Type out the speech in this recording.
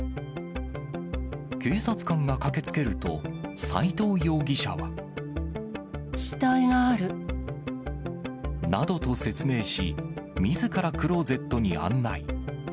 警察官が駆けつけると、斎藤容疑者は。などと説明し、みずからクローゼットに案内。